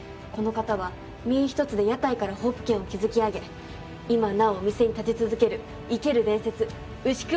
この方は身一つで屋台からホープ軒を築き上げ今なおお店に立ち続ける生ける伝説。